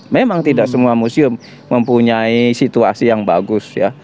memang tidak semua museum mempunyai situasi yang bagus ya